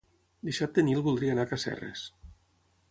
Dissabte en Nil voldria anar a Casserres.